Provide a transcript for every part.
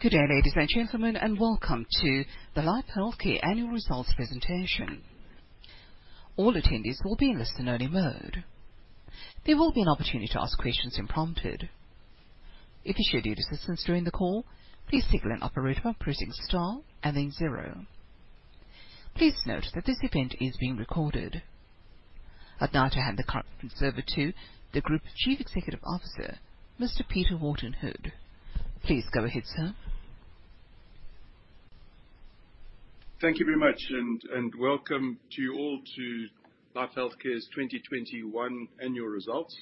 Good day, ladies and gentlemen, and welcome to the Life Healthcare Annual Results presentation. All attendees will be in listen only mode. There will be an opportunity to ask questions when prompted. If you should need assistance during the call, please signal an operator by pressing star and then zero. Please note that this event is being recorded. I'd now like to hand the conference over to the Group Chief Executive Officer, Mr. Peter Wharton-Hood. Please go ahead, sir. Thank you very much and welcome to you all to Life Healthcare's 2021 annual results.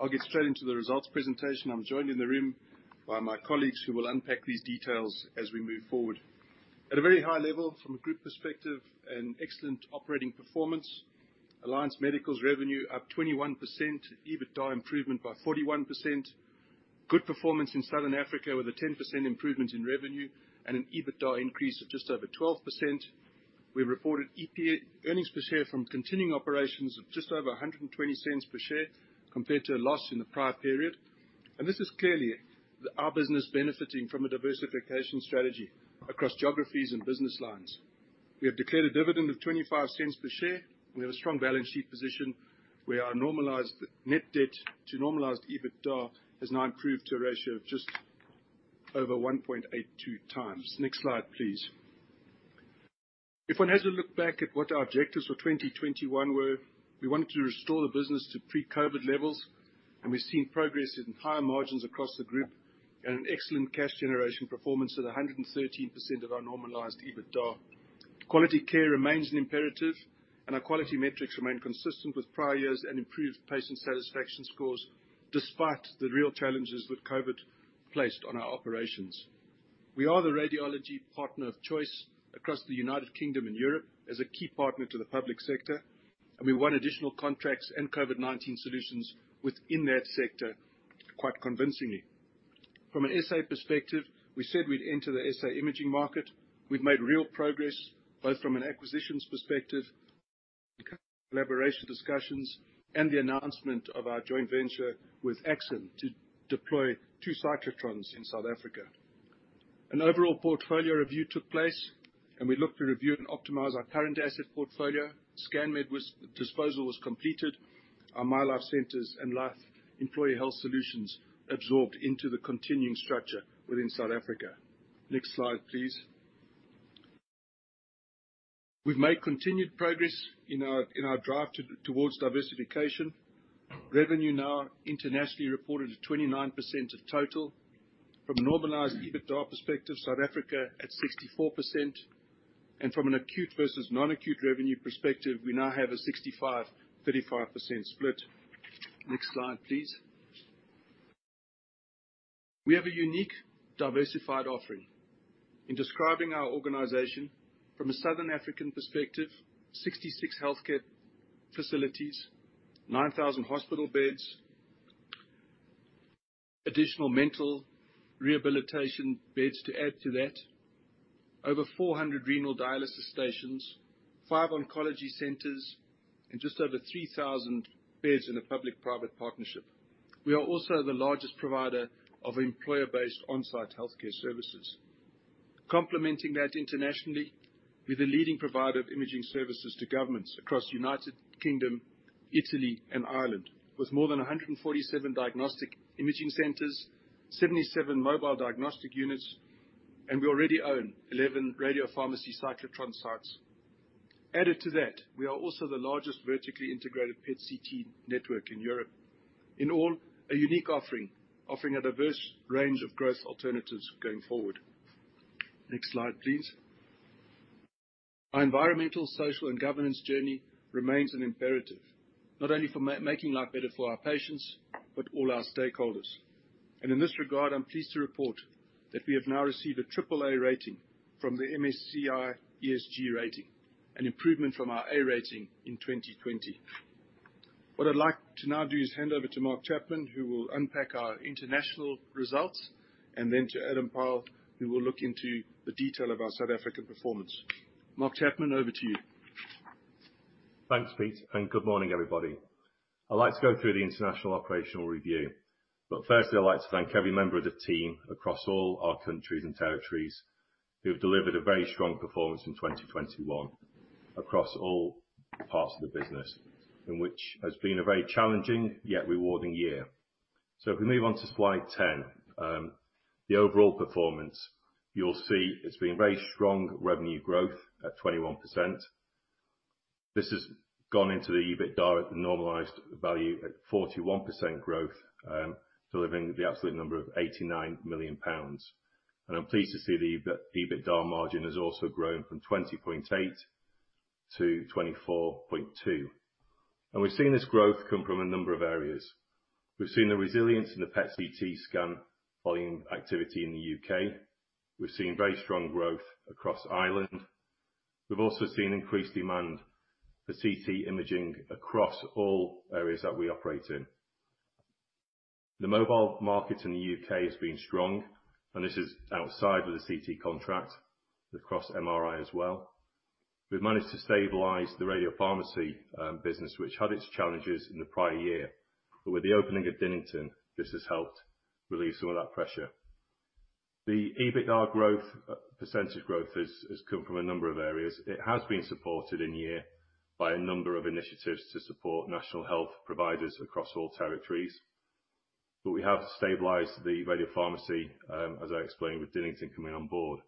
I'll get straight into the results presentation. I'm joined in the room by my colleagues who will unpack these details as we move forward. At a very high level from a group perspective, an excellent operating performance. Alliance Medical's revenue up 21%. EBITDA improvement by 41%. Good performance in Southern Africa with a 10% improvement in revenue and an EBITDA increase of just over 12%. We reported earnings per share from continuing operations of just over 120 cents per share, compared to a loss in the prior period. This is clearly our business benefiting from a diversification strategy across geographies and business lines. We have declared a dividend of 25 cents per share. We have a strong balance sheet position, where our normalized net debt to normalized EBITDA has now improved to a ratio of just over 1.82x. Next slide, please. If one has a look back at what our objectives for 2021 were, we wanted to restore the business to pre-COVID levels, and we've seen progress in higher margins across the group and an excellent cash generation performance at 113% of our normalized EBITDA. Quality care remains an imperative, and our quality metrics remain consistent with prior years and improved patient satisfaction scores despite the real challenges that COVID placed on our operations. We are the radiology partner of choice across the United Kingdom and Europe as a key partner to the public sector, and we won additional contracts and COVID-19 solutions within that sector quite convincingly. From an SA perspective, we said we'd enter the SA imaging market. We've made real progress, both from an acquisitions perspective, collaboration discussions, and the announcement of our joint venture with AXIM to deploy two cyclotrons in South Africa. An overall portfolio review took place, and we looked to review and optimize our current asset portfolio. ScanMed disposal was completed. Our MyLife centers and Life Health Solutions absorbed into the continuing structure within South Africa. Next slide, please. We've made continued progress in our drive towards diversification. Revenue now internationally reported at 29% of total. From a normalized EBITDA perspective, South Africa at 64%. From an acute versus non-acute revenue perspective, we now have a 65%-35% split. Next slide, please. We have a unique diversified offering. In describing our organization from a southern African perspective, 66 healthcare facilities, 9,000 hospital beds, additional mental rehabilitation beds to add to that, over 400 renal dialysis stations, five oncology centers and just over 3,000 beds in a public-private partnership. We are also the largest provider of employer-based onsite healthcare services. Complementing that internationally, we're the leading provider of imaging services to governments across United Kingdom, Italy and Ireland, with more than 147 diagnostic imaging centers, 77 mobile diagnostic units, and we already own 11 radiopharmacy cyclotron sites. Added to that, we are also the largest vertically integrated PET/CT network in Europe. In all, a unique offering a diverse range of growth alternatives going forward. Next slide, please. Our environmental, social and governance journey remains an imperative, not only for making life better for our patients, but all our stakeholders. In this regard, I'm pleased to report that we have now received a AAA rating from the MSCI ESG rating, an improvement from our A rating in 2020. What I'd like to now do is hand over to Mark Chapman, who will unpack our international results, and then to Adam Pyle, who will look into the detail of our South African performance. Mark Chapman, over to you. Thanks, Pete, and good morning, everybody. I'd like to go through the international operational review. Firstly, I'd like to thank every member of the team across all our countries and territories who have delivered a very strong performance in 2021 across all parts of the business, which has been a very challenging yet rewarding year. If we move on to slide 10, the overall performance, you'll see it's been very strong revenue growth at 21%. This has gone into the EBITDA at the normalized value at 41% growth, delivering the absolute number of 89 million pounds. I'm pleased to see the EBITDA margin has also grown from 20.8 to 24.2. We've seen this growth come from a number of areas. We've seen the resilience in the PET/CT scan volume activity in the U.K. We've seen very strong growth across Ireland. We've also seen increased demand for CT imaging across all areas that we operate in. The mobile market in the U.K. has been strong, and this is outside of the CT contract across MRI as well. We've managed to stabilize the radiopharmacy business, which had its challenges in the prior year. With the opening of Dinnington, this has helped relieve some of that pressure. The EBITDA growth percentage growth has come from a number of areas. It has been supported in year by a number of initiatives to support national health providers across all territories. We have stabilized the radiopharmacy, as I explained, with Dinnington coming on board,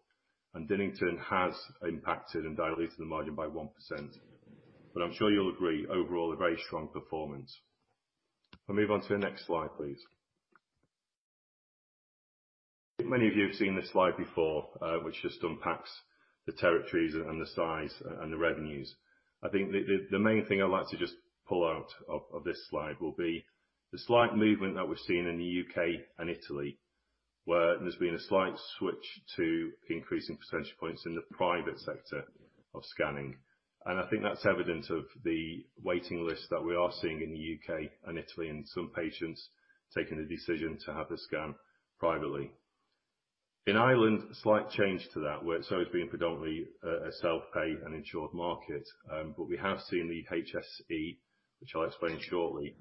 and Dinnington has impacted and diluted the margin by 1%. I'm sure you'll agree, overall, a very strong performance. Can we move on to the next slide, please? Many of you have seen this slide before, which just unpacks the territories and the size and the revenues. I think the main thing I'd like to just pull out of this slide will be the slight movement that we're seeing in the U.K. and Italy, where there's been a slight switch to increasing percentage points in the private sector of scanning. I think that's evidence of the waiting list that we are seeing in the U.K. and Italy, and some patients taking the decision to have the scan privately. In Ireland, slight change to that, where it's always been predominantly a self-pay and insured market. We have seen the HSE, which I'll explain shortly,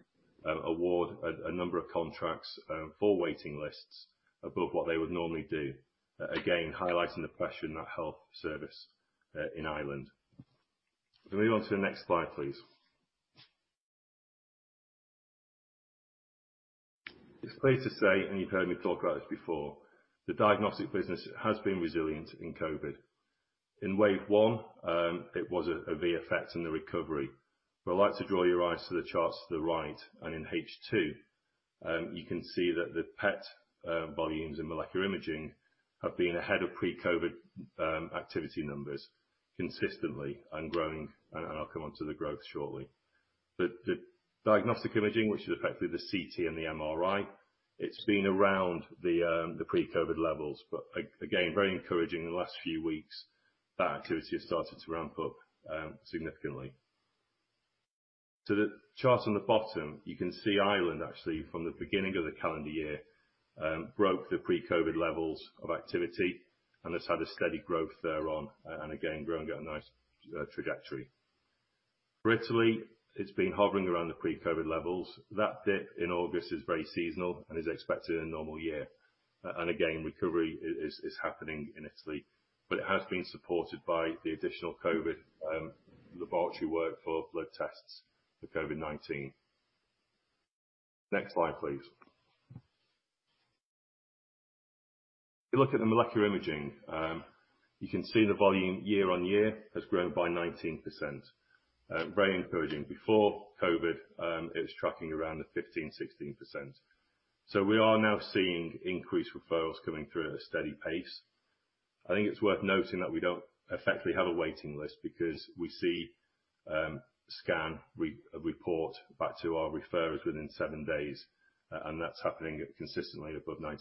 award a number of contracts for waiting lists above what they would normally do. Again, highlighting the pressure in that health service in Ireland. Can we move on to the next slide, please? I'm pleased to say, and you've heard me talk about this before, the diagnostic business has been resilient in COVID. In wave one, it was a V effect in the recovery. I'd like to draw your eyes to the charts to the right and in H2, you can see that the PET volumes in molecular imaging have been ahead of pre-COVID activity numbers consistently and growing, and I'll come onto the growth shortly. The diagnostic imaging, which is effectively the CT and the MRI, it's been around the pre-COVID levels, but again, very encouraging the last few weeks, that activity has started to ramp up significantly. To the chart on the bottom, you can see Ireland actually from the beginning of the calendar year broke the pre-COVID levels of activity and has had a steady growth thereon and again, growing at a nice trajectory. For Italy, it's been hovering around the pre-COVID levels. That dip in August is very seasonal and is expected in a normal year. Again, recovery is happening in Italy, but it has been supported by the additional COVID laboratory work for blood tests for COVID-19. Next slide, please. If you look at the molecular imaging, you can see the volume year-over-year has grown by 19%. Very encouraging. Before COVID, it was tracking around the 15%, 16%. We are now seeing increased referrals coming through at a steady pace. I think it's worth noting that we don't effectively have a waiting list because we scan, report back to our referrers within seven days, and that's happening consistently above 90%.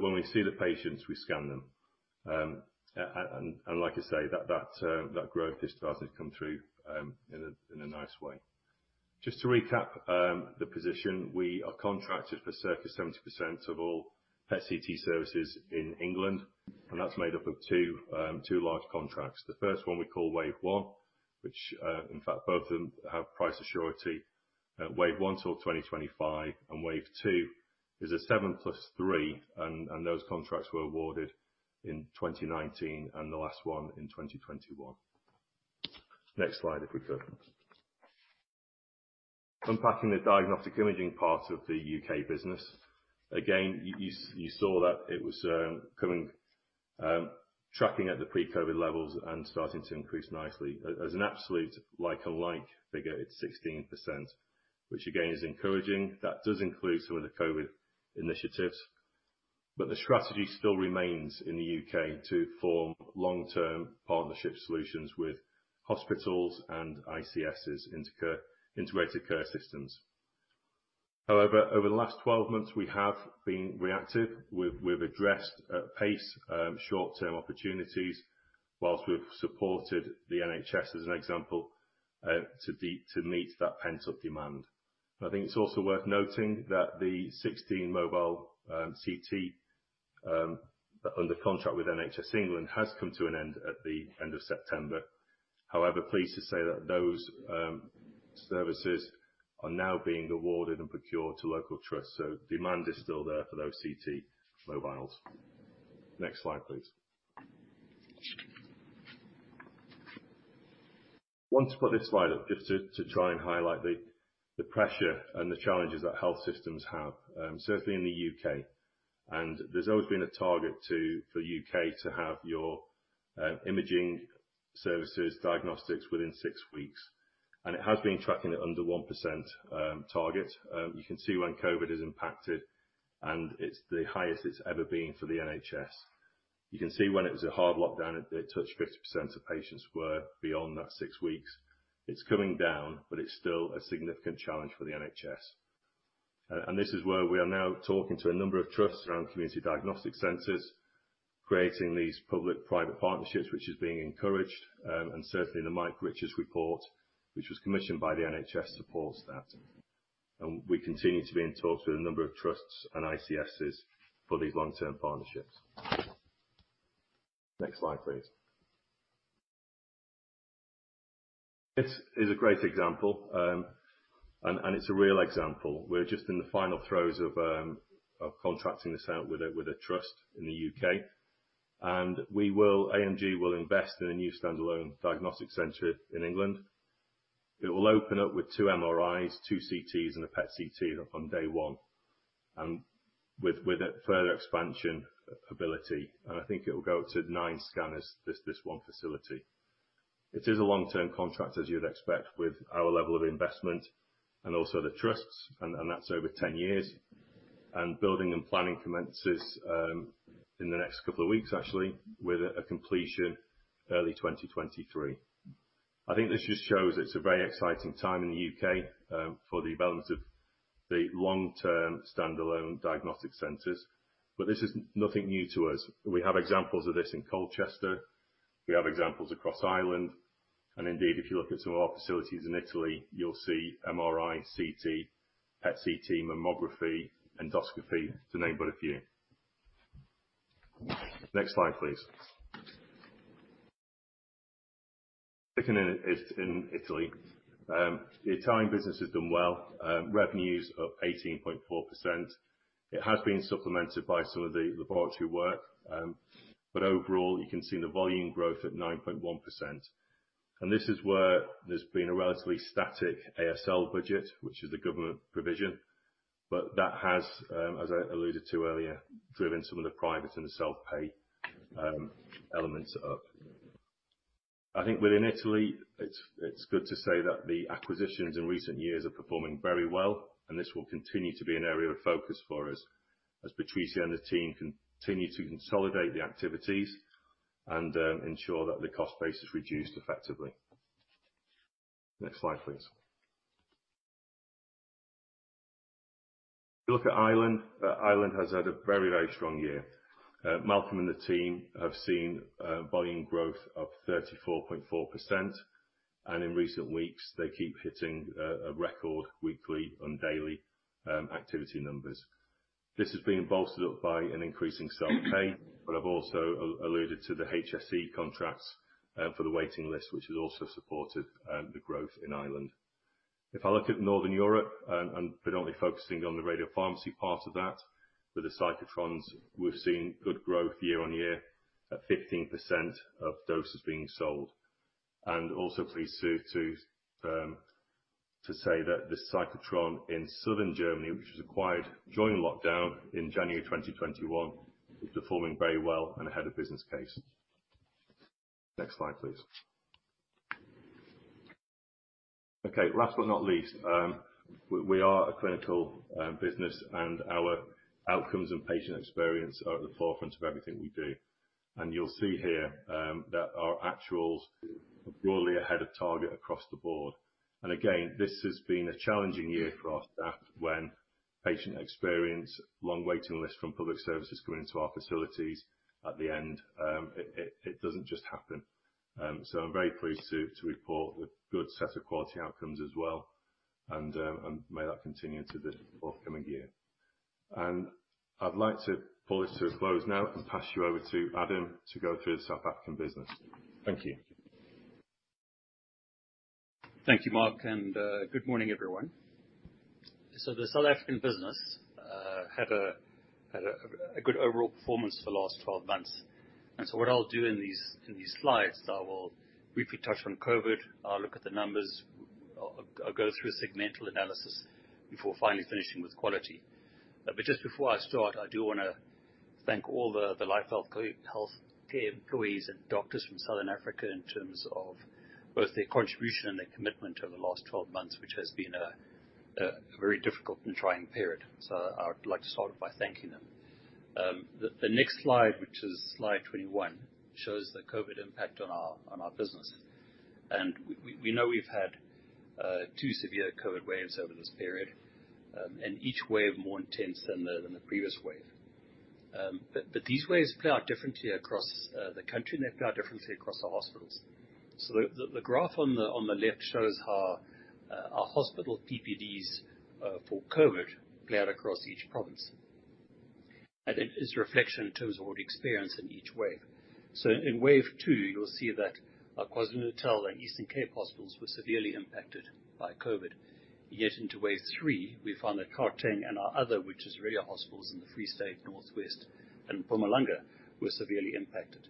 When we see the patients, we scan them, and like I say, that growth is starting to come through in a nice way. Just to recap, the position, we are contracted for circa 70% of all PET/CT services in England, and that's made up of two large contracts. The first one we call wave one, which in fact, both of them have price surety. Wave one till 2025, and wave two is a 7 + 3, and those contracts were awarded in 2019, and the last one in 2021. Next slide, if we could. Unpacking the diagnostic imaging part of the U.K. business. Again, you saw that it was coming, tracking at the pre-COVID levels and starting to increase nicely. As an absolute like-for-like figure, it's 16%, which again, is encouraging. That does include some of the COVID initiatives. The strategy still remains in the U.K. to form long-term partnership solutions with hospitals and ICSs, integrated care systems. However, over the last 12 months, we have been reactive. We've addressed at pace short-term opportunities while we've supported the NHS as an example to meet that pent-up demand. I think it's also worth noting that the 16 mobile CT under contract with NHS England has come to an end at the end of September. However, pleased to say that those services are now being awarded and procured to local trusts. Demand is still there for those CT mobiles. Next slide, please. Wanted to put this slide up just to try and highlight the pressure and the challenges that health systems have, certainly in the U.K. There's always been a target for the U.K. to have its imaging services, diagnostics within six weeks. It has been tracking at under 1% target. You can see when COVID impacted, and it's the highest it's ever been for the NHS. You can see when it was a hard lockdown, it touched 50% of patients were beyond that six weeks. It's coming down, but it's still a significant challenge for the NHS. This is where we are now talking to a number of trusts around community diagnostic centers, creating these public-private partnerships, which is being encouraged, and certainly the Mike Richards report, which was commissioned by the NHS, supports that. We continue to be in talks with a number of trusts and ICSs for these long-term partnerships. Next slide, please. This is a great example, and it's a real example. We're just in the final throes of contracting this out with a trust in the U.K., and AMG will invest in a new standalone diagnostic center in England. It will open up with two MRIs, two CTs, and a PET-CT on day one, and with a further expansion ability, and I think it will go to nine scanners, this one facility. It is a long-term contract, as you'd expect with our level of investment and also the trusts and that's over 10 years. Building and planning commences in the next couple of weeks actually, with a completion early 2023. I think this just shows it's a very exciting time in the U.K. for the development of the long-term standalone diagnostic centers. This is nothing new to us. We have examples of this in Colchester, we have examples across Ireland, and indeed, if you look at some of our facilities in Italy, you'll see MRI, CT, PET/CT, mammography, endoscopy to name but a few. Next slide, please. Second is in Italy. The Italian business has done well. Revenues up 18.4%. It has been supplemented by some of the laboratory work, but overall, you can see the volume growth at 9.1%. This is where there's been a relatively static ASL budget, which is the government provision. That has, as I alluded to earlier, driven some of the private and self-pay elements up. I think within Italy it's good to say that the acquisitions in recent years are performing very well and this will continue to be an area of focus for us as Patricia and the team continue to consolidate the activities and ensure that the cost base is reduced effectively. Next slide, please. If you look at Ireland. Ireland has had a very, very strong year. Malcolm and the team have seen volume growth of 34.4%, and in recent weeks, they keep hitting a record weekly and daily activity numbers. This has been bolstered up by an increase in self-pay, but I've also alluded to the HSE contracts for the waiting list, which has also supported the growth in Ireland. If I look at Northern Europe and predominantly focusing on the radiopharmacy part of that, with the cyclotrons, we've seen good growth year-over-year at 15% of doses being sold. Also pleased to say that the cyclotron in Southern Germany, which was acquired during lockdown in January 2021, is performing very well and ahead of business case. Next slide, please. Okay, last but not least, we are a clinical business and our outcomes and patient experience are at the forefront of everything we do. You'll see here that our actuals are broadly ahead of target across the board. This has been a challenging year for us that when patient experience, long waiting lists from public services come into our facilities at the end, it doesn't just happen. I'm very pleased to report a good set of quality outcomes as well and may that continue to this forthcoming year. I'd like to pull this to a close now and pass you over to Adam to go through the South African business. Thank you. Thank you, Mark, and good morning, everyone. The South African business had a good overall performance for the last 12 months. What I'll do in these slides, I will briefly touch on COVID. I'll look at the numbers. I'll go through a segmental analysis before finally finishing with quality. Just before I start, I do wanna thank all the Life Healthcare employees and doctors from Southern Africa in terms of both their contribution and their commitment over the last 12 months, which has been a very difficult and trying period. I would like to start by thanking them. The next slide, which is slide 21, shows the COVID impact on our business. We know we've had two severe COVID waves over this period, and each wave more intense than the previous wave. These waves play out differently across the country, and they play out differently across the hospitals. The graph on the left shows how our hospital PPDs for COVID played out across each province. It is a reflection in terms of what we experience in each wave. In wave two, you'll see that our KwaZulu-Natal and Eastern Cape Hospitals were severely impacted by COVID. Yet into wave three, we found that Gauteng and our other, which is rural hospitals in the Free State, North West and Mpumalanga, were severely impacted.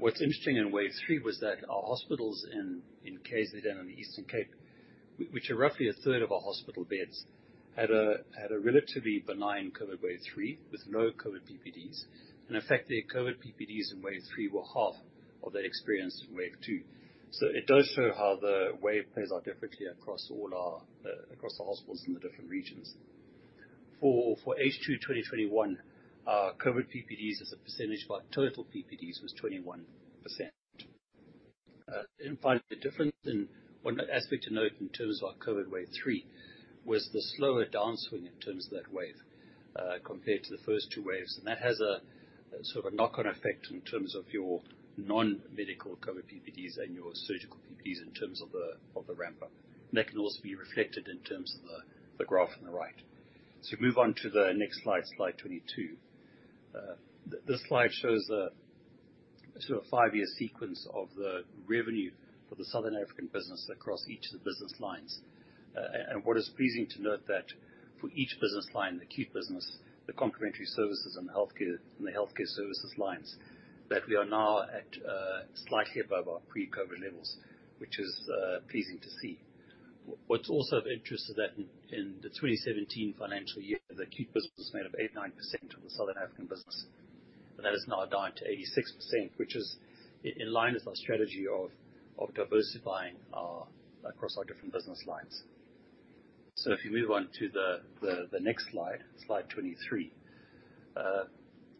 What's interesting in wave three was that our hospitals in KZN and in the Eastern Cape, which are roughly a third of our hospital beds, had a relatively benign COVID wave three with no COVID PPDs. In fact, their COVID PPDs in wave three were half of their experience in wave two. It does show how the wave plays out differently across all our across the hospitals in the different regions. For H2 2021, our COVID PPDs as a percentage of our total PPDs was 21%. You'll find the difference in one aspect to note in terms of our COVID wave three was the slower downswing in terms of that wave compared to the first two waves. That has a sort of knock-on effect in terms of your non-medical COVID PPDs and your surgical PPDs in terms of the ramp-up. That can also be reflected in terms of the graph on the right. Move on to the next slide 22. This slide shows the sort of five-year sequence of the revenue for the Southern African business across each of the business lines. What is pleasing to note is that for each business line, the acute business, the complementary services, and the healthcare services lines, that we are now at slightly above our pre-COVID levels, which is pleasing to see. What's also of interest is that in the 2017 financial year, the acute business made up 89% of the Southern African business. That has now down to 86%, which is in line with our strategy of diversifying our across our different business lines. If you move on to the next slide 23.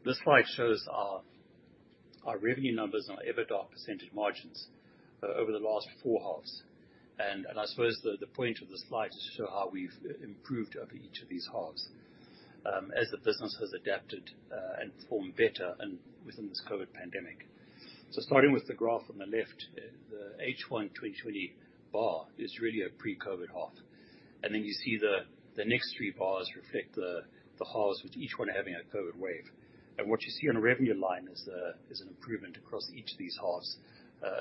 This slide shows our revenue numbers and our EBITDA percentage margins over the last four halves. I suppose the point of the slide is to show how we've improved over each of these halves as the business has adapted and performed better and within this COVID pandemic. Starting with the graph on the left, the H1 2020 bar is really a pre-COVID half. Then you see the next three bars reflect the halves with each one having a COVID wave. What you see on the revenue line is an improvement across each of these halves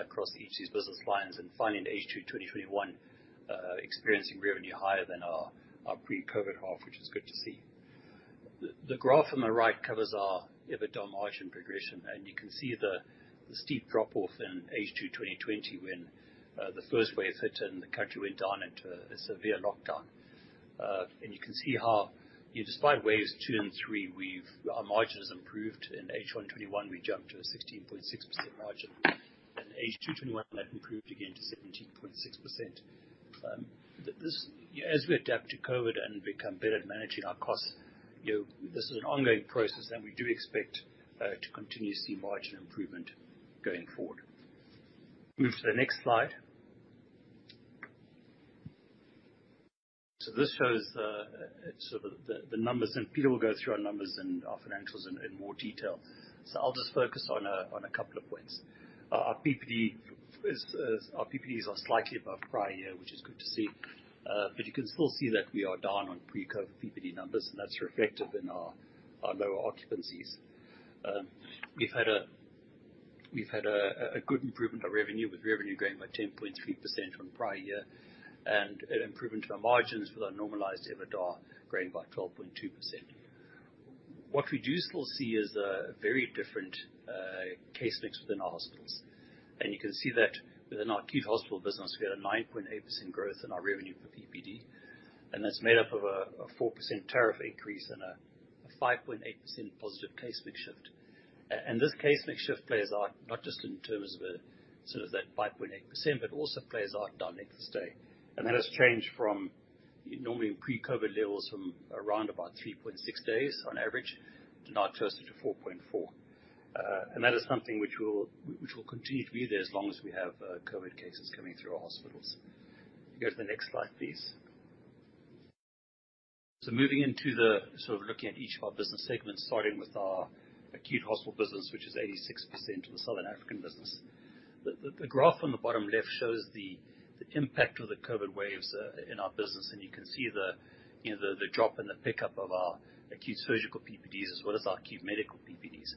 across each of these business lines. Finally in H2 2021, experiencing revenue higher than our pre-COVID half, which is good to see. The graph on the right covers our EBITDA margin progression, and you can see the steep drop-off in H2 2020 when the first wave hit and the country went down into a severe lockdown. You can see how, you know, despite waves two and three, our margin has improved. In H1 2021, we jumped to a 16.6% margin. In H2 2021, that improved again to 17.6%. As we adapt to COVID and become better at managing our costs, you know, this is an ongoing process and we do expect to continue to see margin improvement going forward. Move to the next slide. This shows the sort of the numbers, and Peter will go through our numbers and our financials in more detail. I'll just focus on a couple of points. Our PPDs are slightly above prior year, which is good to see. But you can still see that we are down on pre-COVID PPD numbers, and that's reflective in our lower occupancies. We've had a good improvement of revenue with revenue growing by 10.3% from prior year, and an improvement to our margins with our normalized EBITDA growing by 12.2%. What we do still see is a very different case mix within our hospitals. You can see that within our acute hospital business, we had a 9.8% growth in our revenue per PPD. That's made up of a 4% tariff increase and a 5.8% positive case mix shift. This case mix shift plays out not just in terms of the sort of that 5.8%, but also plays out in our length of stay. That has changed from normally in pre-COVID levels from around about 3.6 days on average to now closer to 4.4. That is something which will continue to be there as long as we have COVID cases coming through our hospitals. Go to the next slide, please. Moving into the sort of looking at each of our business segments, starting with our acute hospital business, which is 86% of the Southern African business. The graph on the bottom left shows the impact of the COVID waves in our business. You can see the drop and the pickup of our acute surgical PPDs, as well as our acute medical PPDs.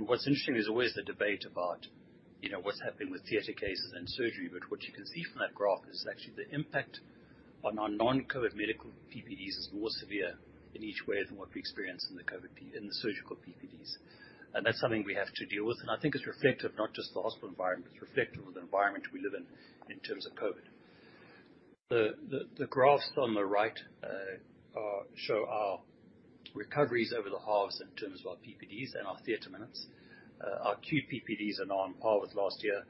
What's interesting, there's always the debate about what's happening with theater cases and surgery, but what you can see from that graph is actually the impact on our non-COVID medical PPDs is more severe in each wave than what we experienced in the surgical PPDs. That's something we have to deal with, and I think it's reflective not just of the hospital environment, it's reflective of the environment we live in terms of COVID. The graphs on the right show our recoveries over the halves in terms of our PPDs and our theater minutes. Our acute PPDs are now on par with last year,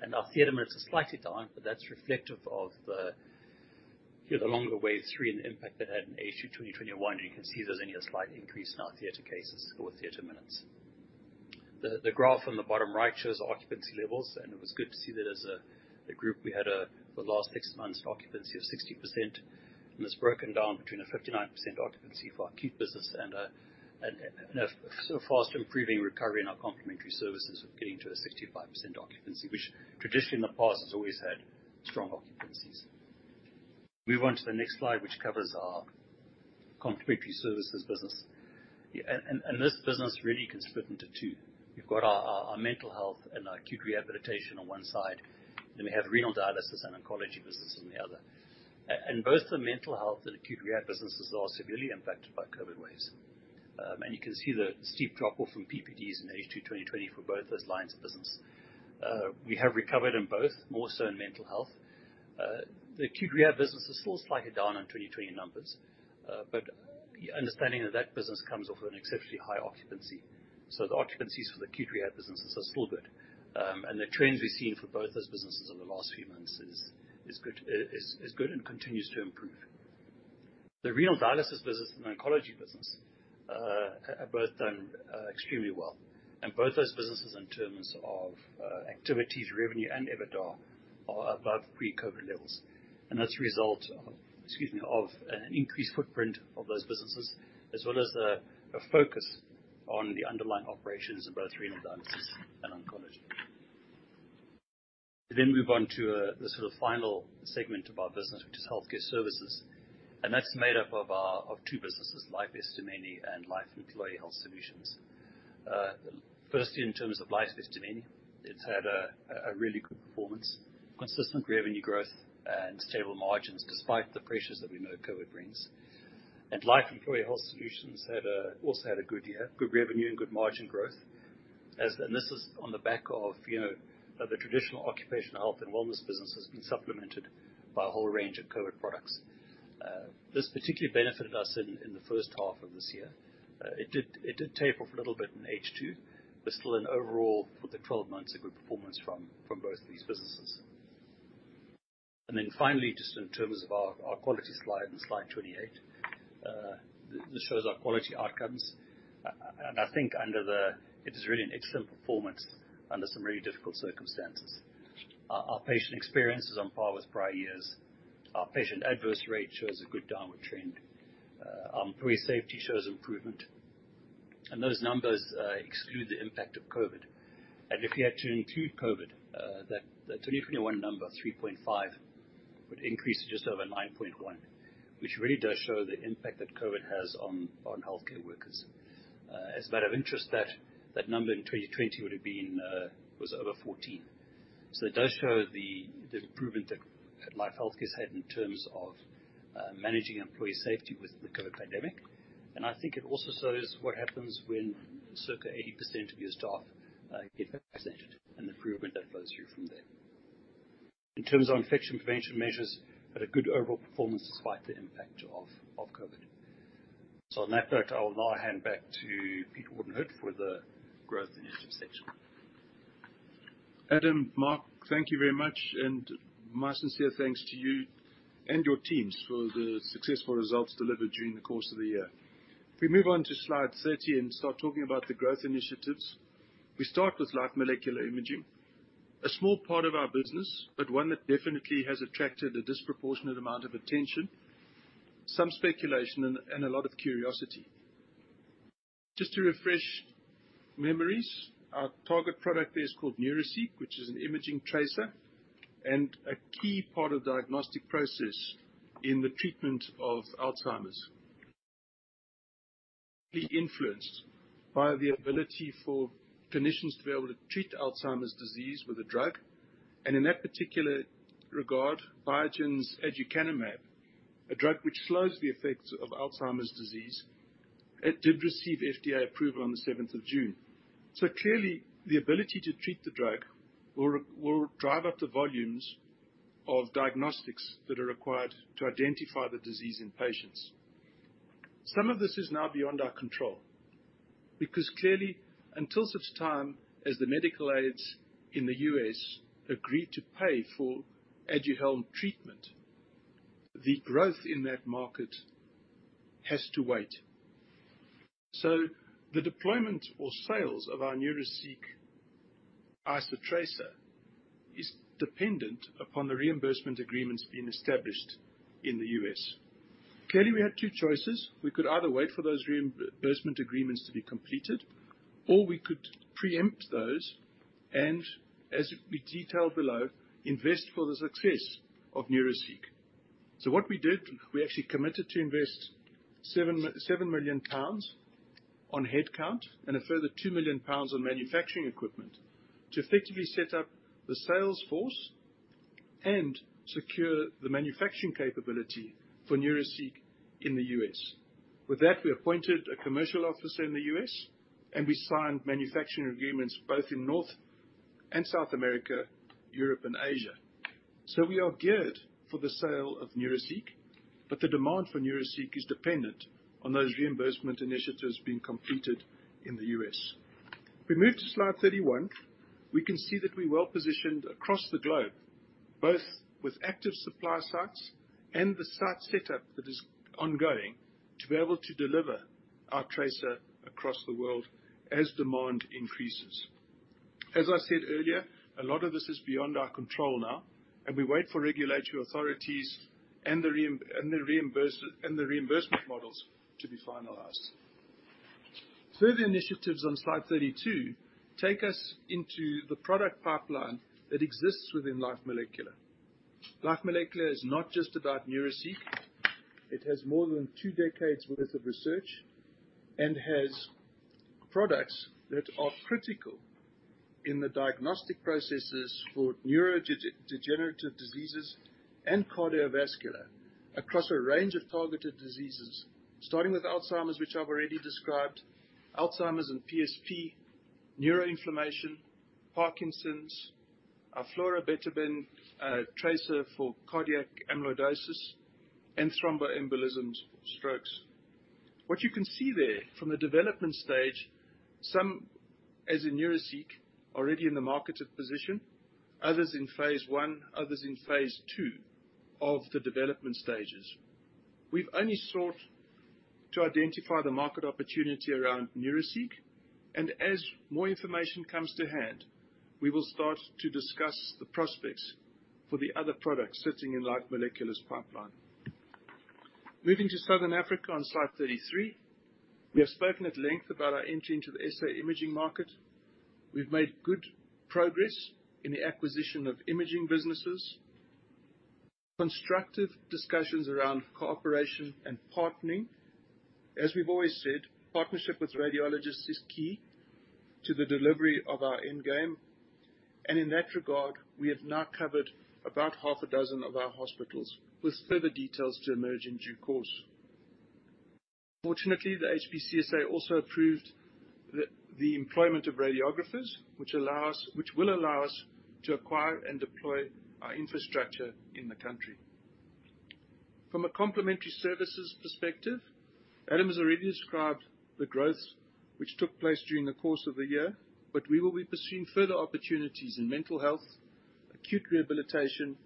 and our theater minutes are slightly down, but that's reflective of the longer wave three and the impact that had in H2 2021. You can see there's only a slight increase in our theater cases or theater minutes. The graph on the bottom right shows occupancy levels, and it was good to see that as a group we had, for the last six months, occupancy of 60%. It's broken down between a 59% occupancy for our acute business and a fast improving recovery in our complementary services of getting to a 65% occupancy, which traditionally in the past has always had strong occupancies. Move on to the next slide, which covers our complementary services business. Yeah. This business really can split into two. You've got our mental health and our acute rehabilitation on one side, then we have renal dialysis and oncology business on the other. And both the mental health and acute rehab businesses are severely impacted by COVID waves. You can see the steep drop-off from PPDs in H2 2020 for both those lines of business. We have recovered in both, more so in mental health. The acute rehab business is still slightly down on 2020 numbers, but understanding that that business comes off an exceptionally high occupancy. The occupancies for the acute rehab businesses are still good. The trends we've seen for both those businesses over the last few months is good and continues to improve. The renal dialysis business and oncology business have both done extremely well. Both those businesses in terms of activities, revenue and EBITDA are above pre-COVID levels. That's a result of, excuse me, of an increased footprint of those businesses, as well as the focus on the underlying operations in both renal dialysis and oncology. We move on to the sort of final segment of our business, which is healthcare services. That's made up of our two businesses, Life Esidimeni and Life Employee Health Solutions. Firstly, in terms of Life Esidimeni, it's had a really good performance, consistent revenue growth and stable margins despite the pressures that we know COVID brings. Life Employee Health Solutions also had a good year, good revenue and good margin growth. This is on the back of, you know, the traditional occupational health and wellness business has been supplemented by a whole range of COVID products. This particularly benefited us in the first half of this year. It did taper off a little bit in H2, but still an overall, for the 12 months, a good performance from both of these businesses. Then finally, just in terms of our quality slide and slide 28. This shows our quality outcomes. I think it is really an excellent performance under some really difficult circumstances. Our patient experience is on par with prior years. Our patient adverse rate shows a good downward trend. Employee safety shows improvement. Those numbers exclude the impact of COVID. If you had to include COVID, that 2021 number, 3.5, would increase to just over 9.1, which really does show the impact that COVID has on healthcare workers. As a matter of interest, that number in 2020 would have been over 14. It does show the improvement that Life Healthcare's had in terms of managing employee safety with the COVID pandemic. I think it also shows what happens when circa 80% of your staff get vaccinated and the improvement that flows through from there. In terms of infection prevention measures, we had a good overall performance despite the impact of COVID. On that note, I will now hand back to Peter Wharton-Hood for the growth initiatives section. Adam, Mark, thank you very much and my sincere thanks to you and your teams for the successful results delivered during the course of the year. If we move on to slide 30 and start talking about the growth initiatives. We start with Life Molecular Imaging. A small part of our business, but one that definitely has attracted a disproportionate amount of attention, some speculation and a lot of curiosity. Just to refresh memories, our target product there is called NeuraCeq, which is an imaging tracer and a key part of diagnostic process in the treatment of Alzheimer's. Be influenced by the ability for clinicians to be able to treat Alzheimer's disease with a drug. In that particular regard, Biogen's aducanumab, a drug which slows the effects of Alzheimer's disease, it did receive FDA approval on the seventh of June. Clearly, the ability to treat with the drug will drive up the volumes of diagnostics that are required to identify the disease in patients. Some of this is now beyond our control because clearly, until such time as the medical aids in the U.S. agree to pay for Aduhelm treatment, the growth in that market has to wait. The deployment or sales of our NeuraCeq isotracer is dependent upon the reimbursement agreements being established in the U.S. Clearly, we have two choices. We could either wait for those reimbursement agreements to be completed, or we could preempt those and as we detail below, invest for the success of NeuraCeq. What we did, we actually committed to invest 7 million pounds on headcount and a further 2 million pounds on manufacturing equipment to effectively set up the sales force and secure the manufacturing capability for NeuraCeq in the U.S. With that, we appointed a commercial officer in the U.S. and we signed manufacturing agreements both in North and South America, Europe and Asia. We are geared for the sale of NeuraCeq, but the demand for NeuraCeq is dependent on those reimbursement initiatives being completed in the U.S. If we move to slide 31, we can see that we're well-positioned across the globe, both with active supply sites and the site setup that is ongoing, to be able to deliver our tracer across the world as demand increases. As I said earlier, a lot of this is beyond our control now, and we wait for regulatory authorities and the reimbursement models to be finalized. Further initiatives on slide 32 take us into the product pipeline that exists within Life Molecular. Life Molecular is not just about NeuraCeq. It has more than two decades worth of research and has products that are critical in the diagnostic processes for neurodegenerative diseases and cardiovascular across a range of targeted diseases, starting with Alzheimer's, which I've already described. Alzheimer's and PSP, neuroinflammation, Parkinson's, our florbetaben tracer for cardiac amyloidosis, and thromboembolisms, strokes. What you can see there from the development stage, some, as in NeuraCeq, already in the market position, others in phase I, others in phase II of the development stages. We've only sought to identify the market opportunity around NeuraCeq, and as more information comes to hand, we will start to discuss the prospects for the other products sitting in Life Molecular's pipeline. Moving to Southern Africa on slide 33. We have spoken at length about our entry into the SA imaging market. We've made good progress in the acquisition of imaging businesses. Constructive discussions around cooperation and partnering. As we've always said, partnership with radiologists is key to the delivery of our endgame. In that regard, we have now covered about half a dozen of our hospitals with further details to emerge in due course. Fortunately, the HPCSA also approved the employment of radiographers, which will allow us to acquire and deploy our infrastructure in the country. From a complementary services perspective, Adam has already described the growth which took place during the course of the year, but we will be pursuing further opportunities in mental health, acute rehabilitation,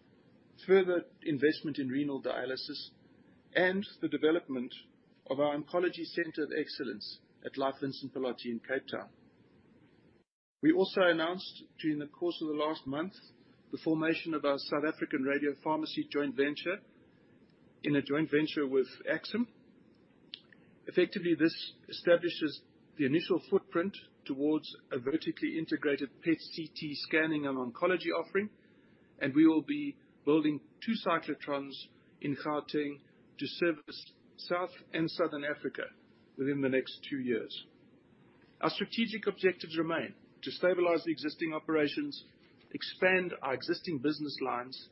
further investment in renal dialysis, and the development of our oncology center of excellence at Life Vincent Pallotti in Cape Town. We also announced during the course of the last month, the formation of our South African Radiopharmacy joint venture, in a joint venture with AXIM. Effectively, this establishes the initial footprint towards a vertically integrated PET/CT scanning and oncology offering, and we will be building two cyclotrons in Gauteng to service South and Southern Africa within the next two years. Our strategic objectives remain to stabilize the existing operations, expand our existing business lines,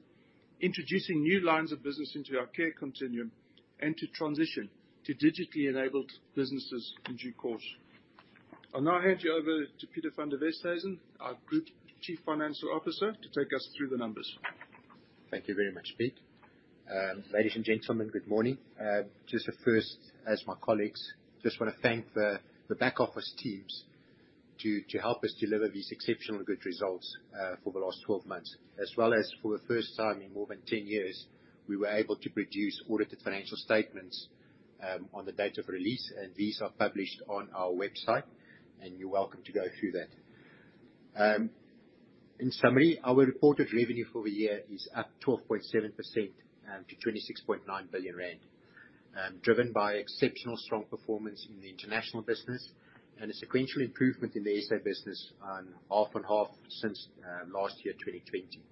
introducing new lines of business into our care continuum, and to transition to digitally enabled businesses in due course. I'll now hand you over to Pieter van der Westhuizen, our Group Chief Financial Officer, to take us through the numbers. Thank you very much, Pete. Ladies and gentlemen, good morning. Just a first, as my colleagues, just wanna thank the back office teams to help us deliver these exceptionally good results for the last 12 months. As well as for the first time in more than 10 years, we were able to produce audited financial statements on the date of release, and these are published on our website, and you're welcome to go through that. In summary, our reported revenue for the year is up 12.7% to 26.9 billion rand, driven by exceptional strong performance in the international business and a sequential improvement in the SA business on half and half since last year, 2020.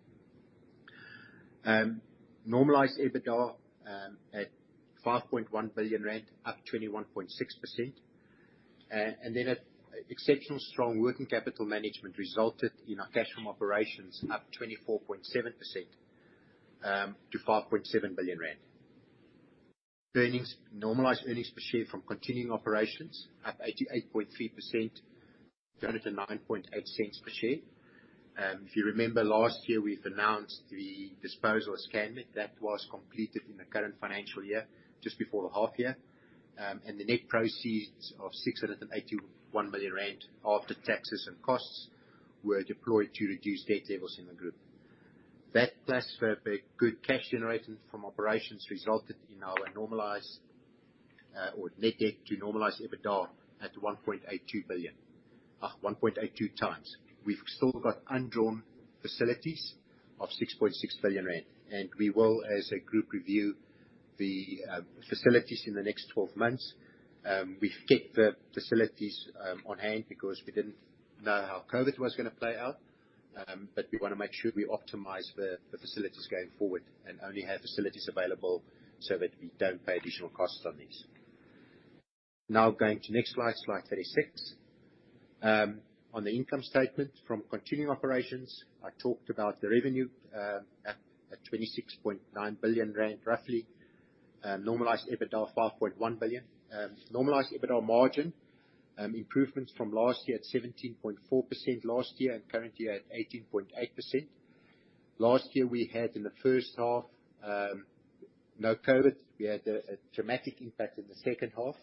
Normalized EBITDA at 5.1 billion rand, up 21.6%. An exceptionally strong working capital management resulted in our cash from operations up 24.7% to 5.7 billion rand. Normalized earnings per share from continuing operations up 88.3% to 109.8 cents per share. If you remember last year, we announced the disposal of ScanMed. That was completed in the current financial year, just before the half year. The net proceeds of 681 million rand after taxes and costs were deployed to reduce debt levels in the group. That, plus the good cash generation from operations, resulted in our normalized or net debt to normalized EBITDA at 1.82 billion, 1.82x. We've still got undrawn facilities of 6.6 billion rand, and we will, as a group, review the facilities in the next 12 months. We've kept the facilities on hand because we didn't know how COVID was gonna play out, but we wanna make sure we optimize the facilities going forward and only have facilities available so that we don't pay additional costs on these. Now going to next slide 36. On the income statement from continuing operations, I talked about the revenue at 26.9 billion rand, roughly. Normalized EBITDA, 5.1 billion. Normalized EBITDA margin improvements from last year at 17.4% last year and currently at 18.8%. Last year we had, in the first half, no COVID. We had a dramatic impact in the second half.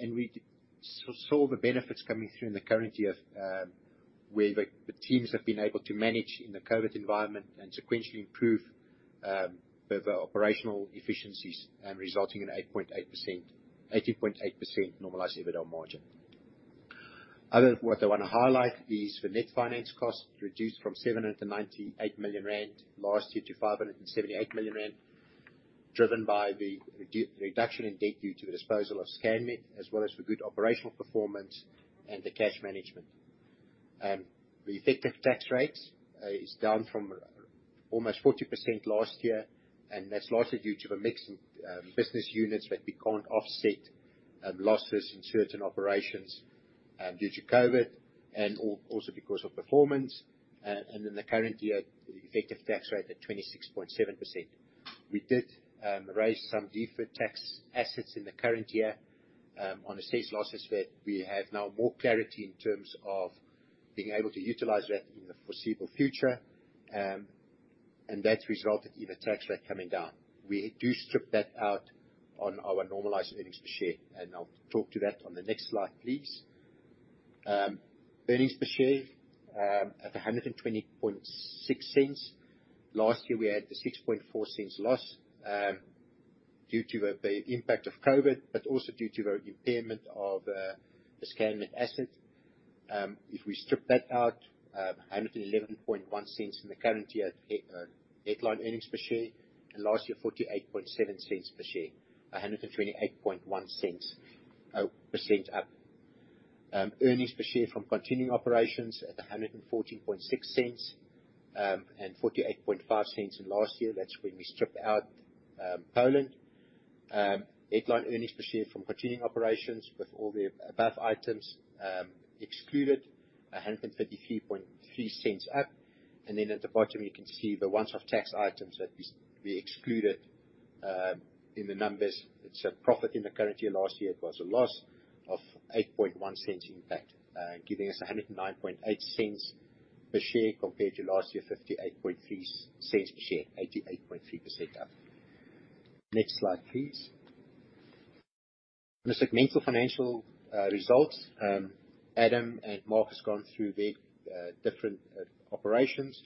We saw the benefits coming through in the current year, where the teams have been able to manage in the COVID environment and sequentially improve the operational efficiencies, resulting in 18.8% normalized EBITDA margin. What I wanna highlight is the net finance costs reduced from 798 million rand last year to 578 million rand, driven by the reduction in debt due to the disposal of ScanMed, as well as the good operational performance and the cash management. The effective tax rates is down from almost 40% last year, and that's largely due to the mix of business units that we can't offset losses in certain operations due to COVID and also because of performance. The current year, the effective tax rate at 26.7%. We did raise some deferred tax assets in the current year on assessed losses where we have now more clarity in terms of being able to utilize that in the foreseeable future. That resulted in the tax rate coming down. We do strip that out on our normalized earnings per share, and I'll talk to that on the next slide, please. Earnings per share at 1.206. Last year, we had the 6.4 cents loss due to the impact of COVID, but also due to the impairment of the ScanMed asset. If we strip that out, 111.1 cents in the current year at headline earnings per share, and last year, 48.7 cents per share, 128.1% up. Earnings per share from continuing operations at 114.6 cents, and 48.5 cents in last year. That's when we stripped out Poland. Headline earnings per share from continuing operations with all the above items excluded 133.3 cents up. At the bottom, you can see the one-off tax items, that is, we excluded in the numbers. It's a profit in the current year. Last year, it was a loss of 8.1 cents impact, giving us 109.8 cents per share compared to last year, 58.3 cents per share, 88.3% up. Next slide, please. On the segmental financial results, Adam and Mark has gone through their different operations.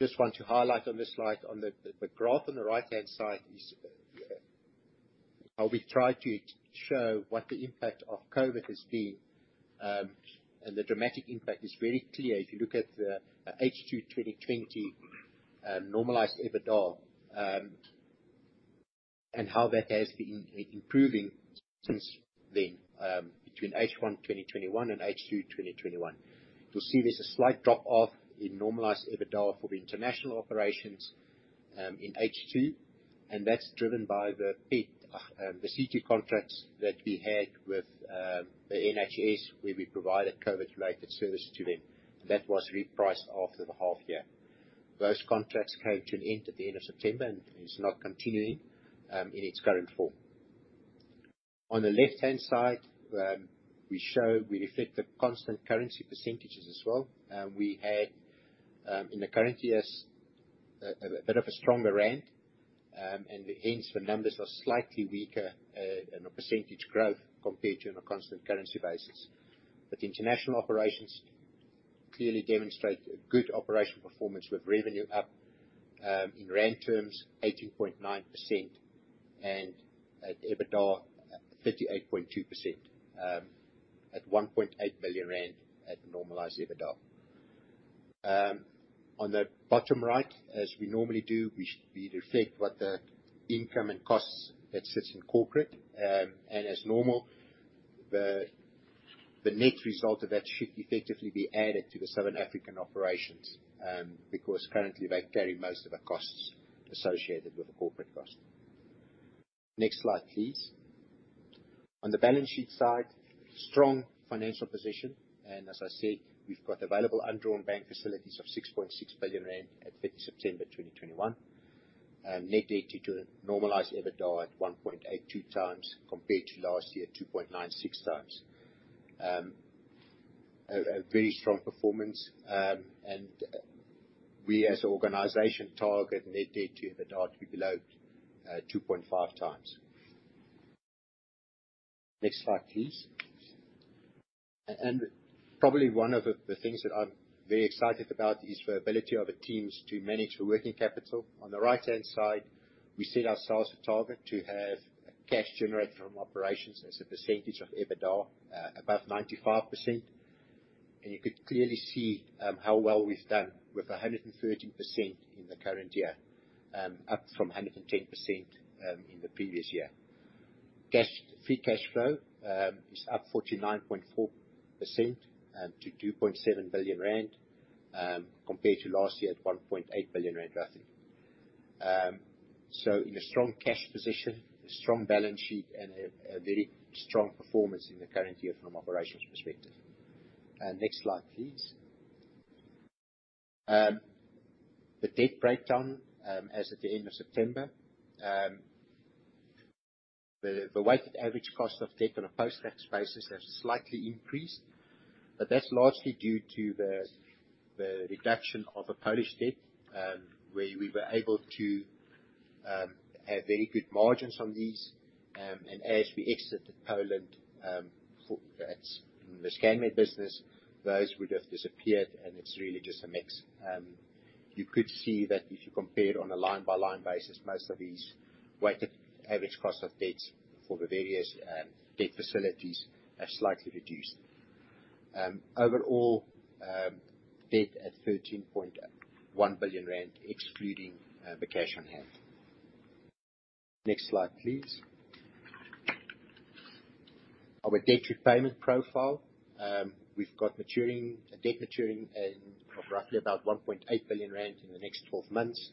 Just want to highlight on this slide on the graph on the right-hand side is how we try to show what the impact of COVID has been. The dramatic impact is very clear if you look at the H2 2020 normalized EBITDA and how that has been improving since then, between H1 2021 and H2 2021. You'll see there's a slight drop-off in normalized EBITDA for the international operations in H2, and that's driven by the CT contracts that we had with the NHS, where we provided COVID-related services to them. That was repriced after the half year. Those contracts came to an end at the end of September and is not continuing in its current form. On the left-hand side, we show, we reflect the constant currency percentages as well. We had in the current year a bit of a stronger rand, and hence the numbers are slightly weaker in a percentage growth compared to on a constant currency basis. International operations clearly demonstrate a good operational performance with revenue up in rand terms 18.9% and at EBITDA 38.2% at 1.8 million rand at the normalized EBITDA. On the bottom right, as we normally do, we reflect what the income and costs that sits in corporate. And as normal, the net result of that should effectively be added to the Southern African operations because currently they carry most of the costs associated with the corporate cost. Next slide, please. On the balance sheet side, strong financial position, and as I said, we've got available undrawn bank facilities of 6.6 billion rand at 30 September 2021. Net debt to normalized EBITDA at 1.82x compared to last year at 2.96x. A very strong performance, and we as an organization target net debt to EBITDA to be below 2.5x. Next slide, please. Probably one of the things that I'm very excited about is the ability of the teams to manage the working capital. On the right-hand side, we set ourselves a target to have cash generated from operations as a percentage of EBITDA above 95%. You could clearly see how well we've done with 113% in the current year, up from 110% in the previous year. Free cash flow is up 49.4% to 2.7 billion rand compared to last year at 1.8 billion rand roughly. In a strong cash position, a strong balance sheet, and a very strong performance in the current year from an operations perspective. Next slide, please. The debt breakdown as at the end of September, the weighted average cost of debt on a post-tax basis has slightly increased, but that's largely due to the reduction of the Polish debt, where we were able to have very good margins on these. As we exited Poland, that's in the ScanMed business, those would have disappeared, and it's really just a mix. You could see that if you compare it on a line-by-line basis, most of these weighted average cost of debts for the various debt facilities have slightly reduced. Overall, debt at 13.1 billion rand, excluding the cash on hand. Next slide, please. Our debt repayment profile. We've got maturing debt of roughly about 1.8 billion rand in the next 12 months.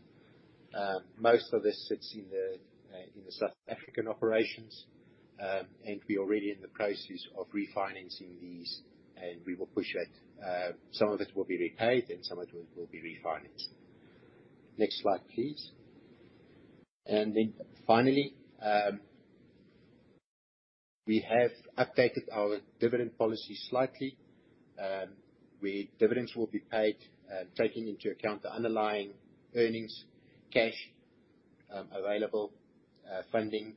Most of this sits in the South African operations, and we are already in the process of refinancing these, and we will push that. Some of it will be repaid, and some of it will be refinanced. Next slide, please. We have updated our dividend policy slightly. Dividends will be paid taking into account the underlying earnings, cash available funding.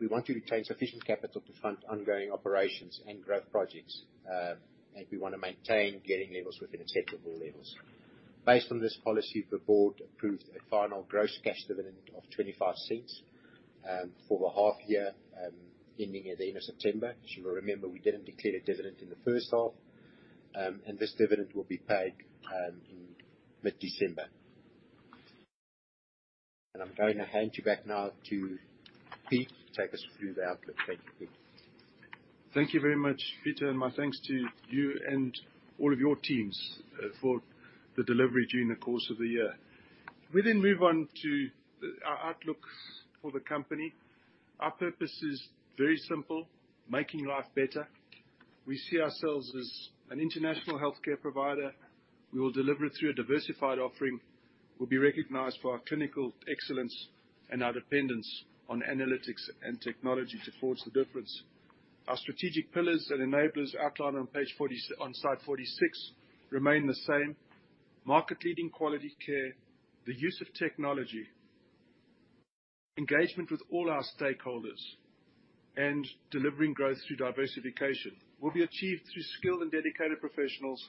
We want to retain sufficient capital to fund ongoing operations and growth projects, and we wanna maintain gearing levels within acceptable levels. Based on this policy, the board approved a final gross cash dividend of 0.25 for the half year ending at the end of September. As you will remember, we didn't declare a dividend in the first half. This dividend will be paid in mid-December. I'm going to hand you back now to Pete to take us through the outlook. Thank you, Pete. Thank you very much, Pieter, and my thanks to you and all of your teams, for the delivery during the course of the year. We then move on to our outlook for the company. Our purpose is very simple: making life better. We see ourselves as an international healthcare provider. We will deliver through a diversified offering. We'll be recognized for our clinical excellence and our dependence on analytics and technology to forge the difference. Our strategic pillars that enables outlined on slide 46 remain the same. Market-leading quality care, the use of technology, engagement with all our stakeholders, and delivering growth through diversification will be achieved through skilled and dedicated professionals,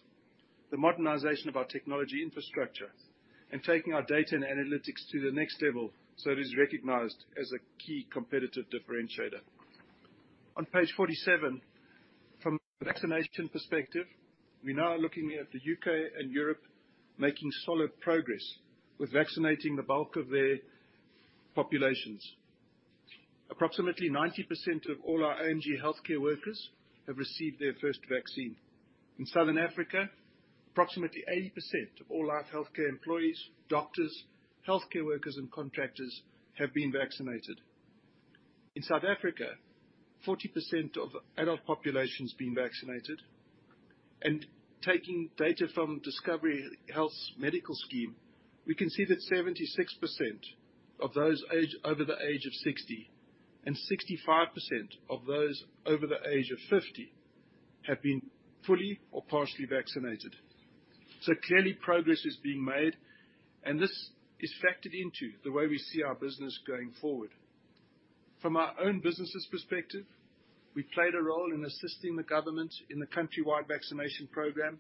the modernization of our technology infrastructure, and taking our data and analytics to the next level, so it is recognized as a key competitive differentiator. On page 47, from a vaccination perspective, we now are looking at the U.K. and Europe making solid progress with vaccinating the bulk of their populations. Approximately 90% of all our AMG healthcare workers have received their first vaccine. In Southern Africa, approximately 80% of all Life Healthcare employees, doctors, healthcare workers, and contractors have been vaccinated. In South Africa, 40% of adult population has been vaccinated. Taking data from Discovery Health Medical Scheme, we can see that 76% of those age over the age of 60 and 65% of those over the age of 50 have been fully or partially vaccinated. Clearly progress is being made, and this is factored into the way we see our business going forward. From our own business's perspective, we played a role in assisting the government in the countrywide vaccination program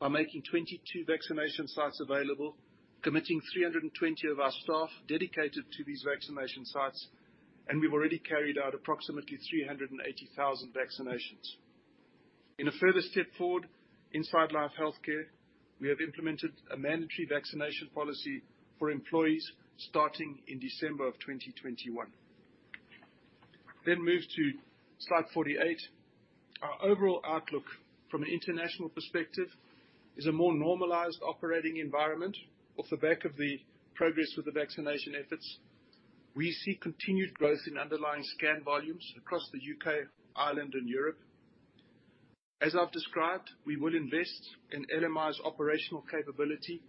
by making 22 vaccination sites available, committing 320 of our staff dedicated to these vaccination sites, and we've already carried out approximately 380,000 vaccinations. In a further step forward, inside Life Healthcare, we have implemented a mandatory vaccination policy for employees starting in December of 2021. Move to slide 48. Our overall outlook from an international perspective is a more normalized operating environment off the back of the progress with the vaccination efforts. We see continued growth in underlying scan volumes across the U.K., Ireland, and Europe. As I've described, we will invest in LMI's operational capability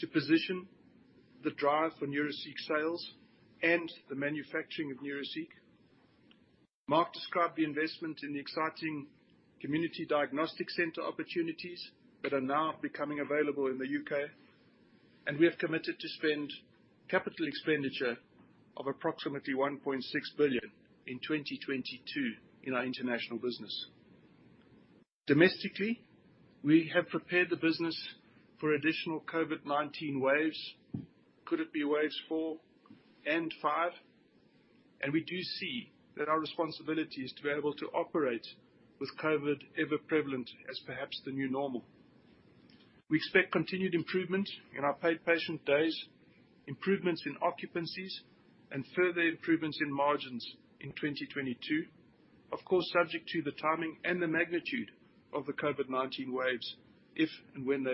to position the drive for NeuraCeq sales and the manufacturing of NeuraCeq. Mark described the investment in the exciting community diagnostic center opportunities that are now becoming available in the U.K. We have committed to spend capital expenditure of approximately 1.6 billion in 2022 in our international business. Domestically, we have prepared the business for additional COVID-19 waves. Could it be waves 4 and 5? We do see that our responsibility is to be able to operate with COVID ever-prevalent as perhaps the new normal. We expect continued improvement in our paid patient days, improvements in occupancies, and further improvements in margins in 2022. Of course, subject to the timing and the magnitude of the COVID-19 waves, if and when they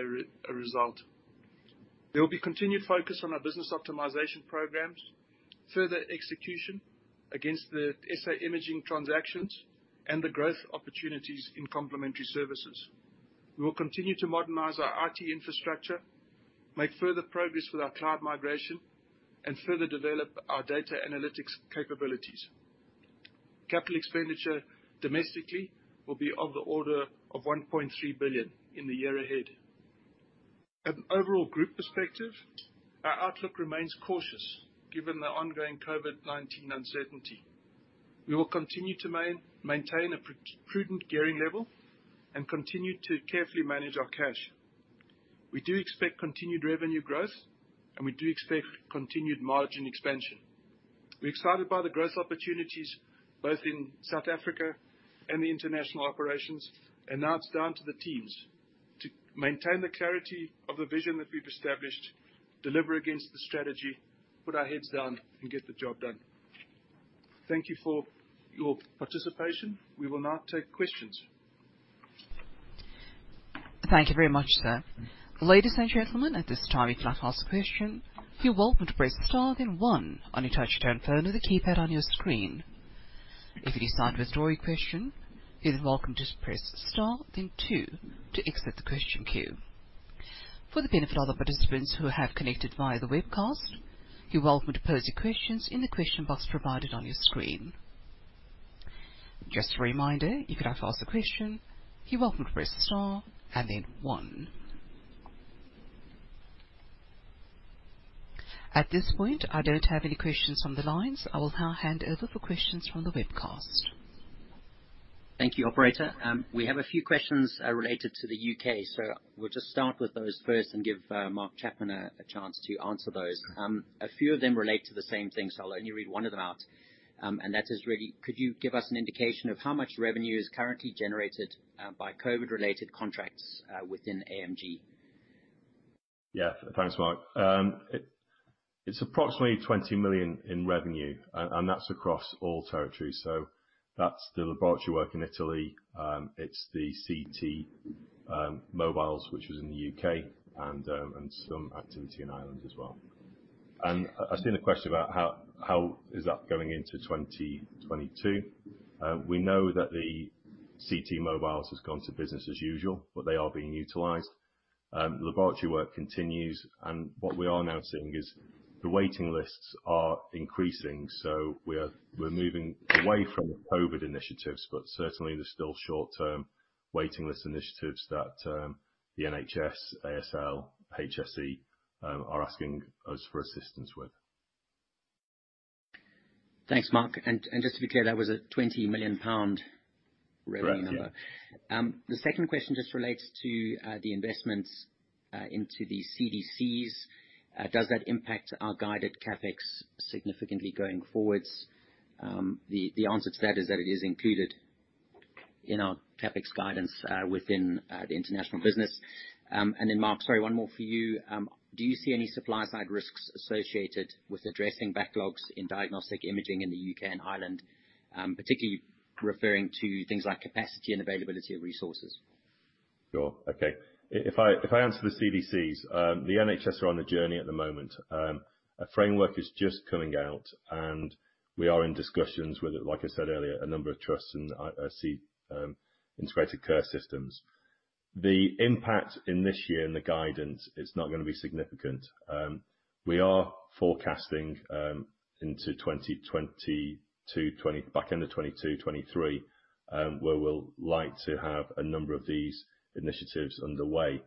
resurge. There will be continued focus on our business optimization programs, further execution against the SA Imaging transactions, and the growth opportunities in complementary services. We will continue to modernize our IT infrastructure, make further progress with our cloud migration, and further develop our data analytics capabilities. Capital expenditure domestically will be of the order of 1.3 billion in the year ahead. At an overall group perspective, our outlook remains cautious given the ongoing COVID-19 uncertainty. We will continue to maintain a prudent gearing level and continue to carefully manage our cash. We do expect continued revenue growth, and we do expect continued margin expansion. We're excited by the growth opportunities both in South Africa and the international operations, and now it's down to the teams to maintain the clarity of the vision that we've established, deliver against the strategy, put our heads down, and get the job done. Thank you for your participation. We will now take questions. Thank you very much, sir. Ladies and gentlemen, at this time if you'd like to ask a question, you're welcome to press star then one on your touchtone phone or the keypad on your screen. If you decide to withdraw your question, you're welcome to press star then two to exit the question queue. For the benefit of the participants who have connected via the webcast, you're welcome to pose your questions in the question box provided on your screen. Just a reminder, if you'd like to ask a question, you're welcome to press star and then one. At this point, I don't have any questions from the lines. I will now hand over for questions from the webcast. Thank you, operator. We have a few questions related to the U.K., so we'll just start with those first and give Mark Chapman a chance to answer those. A few of them relate to the same thing, so I'll only read one of them out. That is, really, could you give us an indication of how much revenue is currently generated by COVID-related contracts within AMG? Yeah. Thanks, Mark. It's approximately 20 million in revenue and that's across all territories. So that's the laboratory work in Italy, it's the CT mobiles which is in the U.K. and some activity in Ireland as well. I've seen a question about how is that going into 2022. We know that the CT mobiles has gone to business as usual, but they are being utilized. Laboratory work continues. What we are now seeing is the waiting lists are increasing, so we are moving away from the COVID initiatives, but certainly there's still short-term waiting list initiatives that the NHS, ASL, HSE are asking us for assistance with. Thanks, Mark. Just to be clear, that was a 20 million pound revenue number. Correct. Yeah. The second question just relates to the investments into the CDCs. Does that impact our guided CapEx significantly going forwards? The answer to that is that it is included in our CapEx guidance within the international business. Mark, sorry, one more for you. Do you see any supply side risks associated with addressing backlogs in diagnostic imaging in the U.K. and Ireland, particularly referring to things like capacity and availability of resources? Sure. Okay. If I answer the ICSs, the NHS are on a journey at the moment. A framework is just coming out, and we are in discussions with, like I said earlier, a number of trusts and integrated care systems. The impact in this year in the guidance is not gonna be significant. We are forecasting into the back end of 2022, 2023, where we'd like to have a number of these initiatives underway.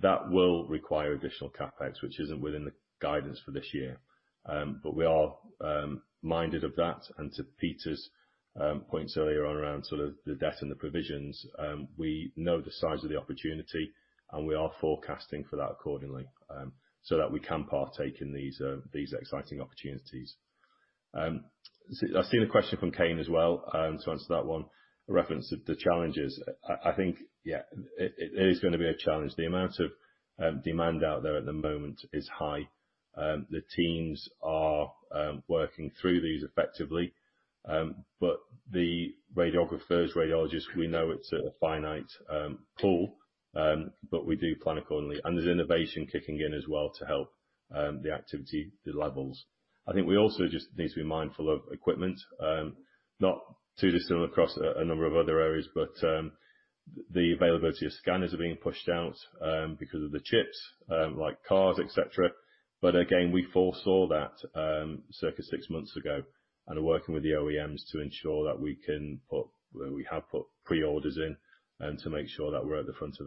That will require additional CapEx, which isn't within the guidance for this year. But we are minded of that. To Peter's points earlier on around sort of the debt and the provisions, we know the size of the opportunity, and we are forecasting for that accordingly, so that we can partake in these exciting opportunities. I've seen a question from Kane as well. To answer that one, a reference to the challenges. I think, yeah, it is gonna be a challenge. The amount of demand out there at the moment is high. The teams are working through these effectively. But the radiographers, radiologists, we know it's a finite pool, but we do plan accordingly. There's innovation kicking in as well to help the activity, the levels. I think we also just need to be mindful of equipment, not too dissimilar across a number of other areas, but the availability of scanners are being pushed out because of the chips, like cars, et cetera. Again, we foresaw that circa six months ago and are working with the OEMs. We have put pre-orders in to make sure that we're at the front of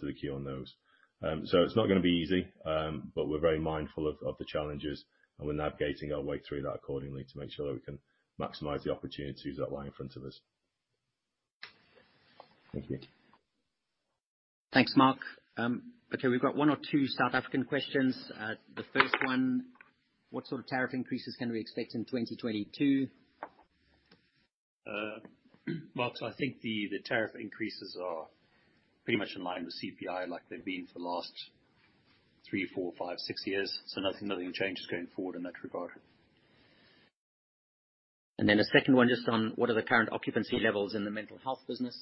the queue on those. It's not gonna be easy, but we're very mindful of the challenges, and we're navigating our way through that accordingly to make sure that we can maximize the opportunities that lie in front of us. Thank you. Thanks, Mark. Okay, we've got one or two South African questions. The first one, what sort of tariff increases can we expect in 2022? Mark, I think the tariff increases are pretty much in line with CPI like they've been for the last three, four, five, six years. Nothing changes going forward in that regard. A second one just on what are the current occupancy levels in the mental health business?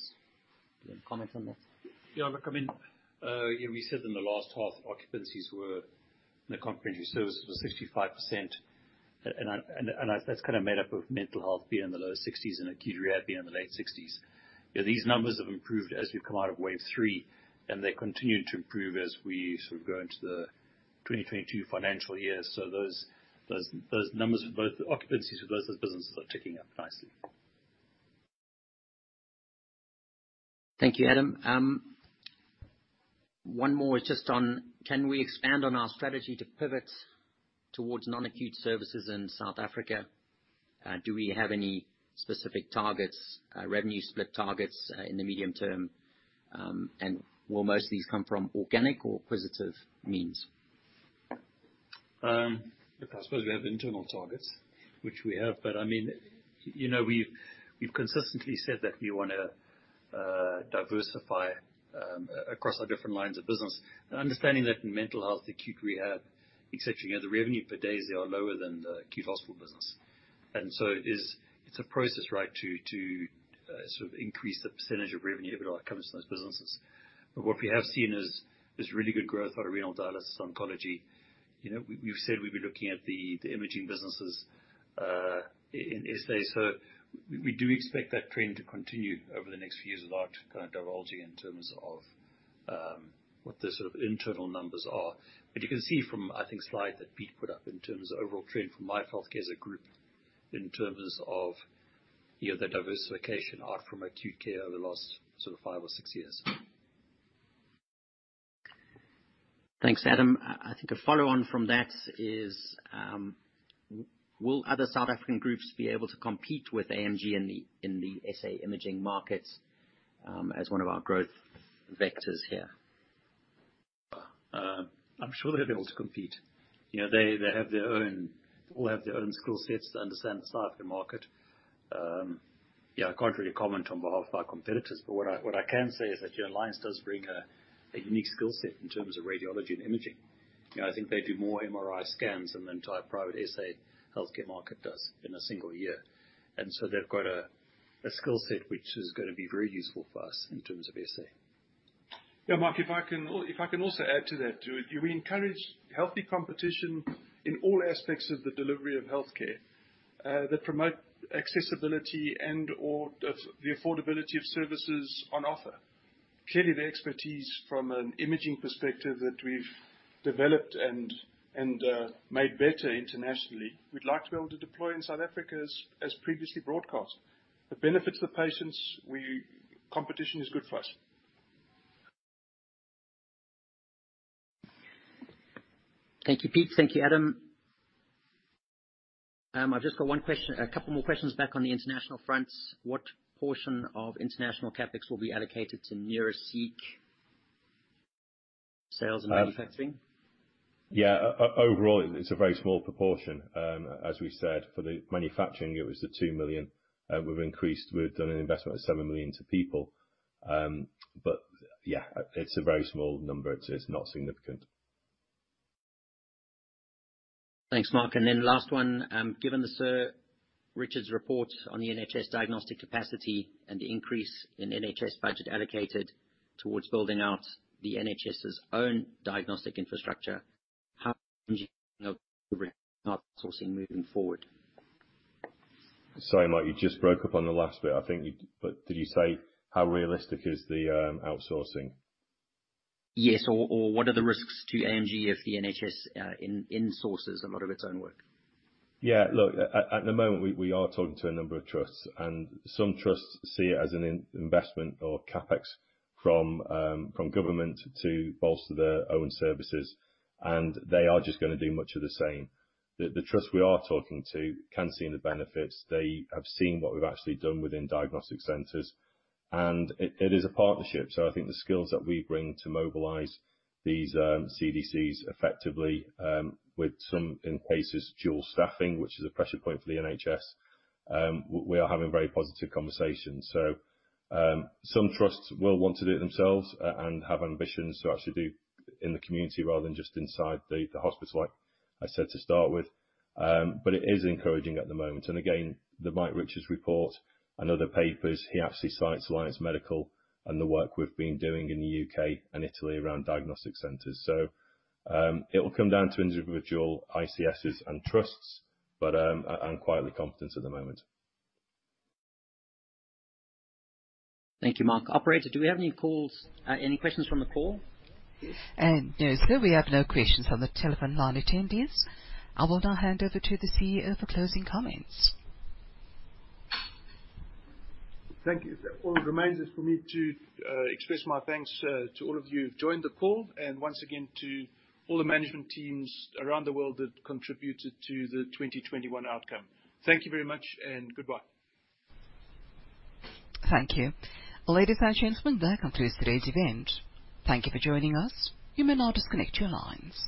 Do you wanna comment on that? Yeah, look, I mean, we said in the last half occupancies in the comprehensive services were 65%. And I, that's kind of made up of mental health being in the low 60s and acute rehab being in the late 60s. Yeah, these numbers have improved as we've come out of wave three, and they continue to improve as we sort of go into the 2022 financial year. Those numbers for both the occupancies for both those businesses are ticking up nicely. Thank you, Adam. One more just on, can we expand on our strategy to pivot towards non-acute services in South Africa? Do we have any specific targets, revenue split targets, in the medium term? Will most of these come from organic or acquisitive means? Look, I suppose we have internal targets, which we have, but I mean, you know, we've consistently said that we wanna diversify across our different lines of business. Understanding that in mental health, acute rehab, et cetera, you know, the revenue per days there are lower than the acute hospital business. It is a process, right, to sort of increase the percentage of revenue that comes from those businesses. What we have seen is really good growth out of renal dialysis, oncology. You know, we've said we'd be looking at the imaging businesses in SA. We do expect that trend to continue over the next few years without kind of divulging in terms of what the sort of internal numbers are. You can see from, I think, the slide that Pete put up in terms of overall trend for Life Healthcare as a group in terms of, you know, the diversification out from acute care over the last sort of five or six years. Thanks, Adam. I think a follow on from that is, will other South African groups be able to compete with AMG in the SA imaging markets, as one of our growth vectors here? I'm sure they'll be able to compete. You know, they all have their own skill sets to understand the South African market. Yeah, I can't really comment on behalf of our competitors, but what I can say is that, you know, Alliance does bring a unique skill set in terms of radiology and imaging. You know, I think they do more MRI scans than the entire private SA healthcare market does in a single year. They've got a skill set which is gonna be very useful for us in terms of SA. Yeah, Mark, if I can also add to that, too. We encourage healthy competition in all aspects of the delivery of healthcare that promote accessibility and/or the affordability of services on offer. Clearly, the expertise from an imaging perspective that we've developed and made better internationally, we'd like to be able to deploy in South Africa as previously broadcast. It benefits the patients. Competition is good for us. Thank you, Pete. Thank you, Adam. I've just got one question, a couple more questions back on the international front. What portion of international CapEx will be allocated to NeuraCeq sales and manufacturing? Yeah. Overall, it's a very small proportion. As we said, for the manufacturing, it was 2 million. We've done an investment of 7 million to people. Yeah, it's a very small number. It's not significant. Thanks, Mark. Last one. Given the Sir Mike Richards's report on the NHS diagnostic capacity and the increase in NHS budget allocated towards building out the NHS's own diagnostic infrastructure, how outsourcing moving forward? Sorry, Mark, you just broke up on the last bit. Did you say how realistic is the outsourcing? Yes. What are the risks to AMG if the NHS insources a lot of its own work? Yeah. Look, at the moment, we are talking to a number of trusts, and some trusts see it as an investment or CapEx from government to bolster their own services, and they are just gonna do much of the same. The trusts we are talking to can see the benefits. They have seen what we've actually done within diagnostic centers, and it is a partnership. I think the skills that we bring to mobilize these CDCs effectively, with, in some cases, dual staffing, which is a pressure point for the NHS, we are having very positive conversations. Some trusts will want to do it themselves and have ambitions to actually do in the community rather than just inside the hospital like I said to start with. It is encouraging at the moment. Again, the Mike Richards report and other papers, he actually cites Alliance Medical and the work we've been doing in the U.K. and Italy around diagnostic centers. It will come down to individual ICSs and trusts, but I'm quietly confident at the moment. Thank you, Mark. Operator, do we have any calls, any questions from the call? No, sir, we have no questions from the telephone line attendees. I will now hand over to the CEO for closing comments. Thank you. All that remains is for me to express my thanks to all of you who've joined the call, and once again to all the management teams around the world that contributed to the 2021 outcome. Thank you very much and goodbye. Thank you. Ladies and gentlemen, that concludes today's event. Thank you for joining us. You may now disconnect your lines.